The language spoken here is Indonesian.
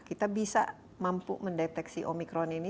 kita bisa mampu mendeteksi omikron ini